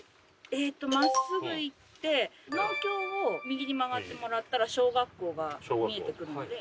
えっと真っすぐ行って農協を右に曲がってもらったら小学校が見えてくるので。